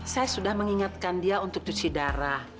saya sudah mengingatkan dia untuk cuci darah